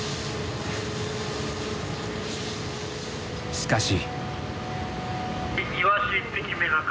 しかし。